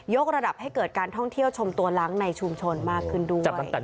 กระดับให้เกิดการท่องเที่ยวชมตัวล้างในชุมชนมากขึ้นด้วย